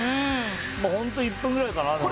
もうホント１分ぐらいかな